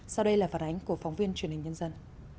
sau đây là phản ánh của phóng viên truyền hình nhân dân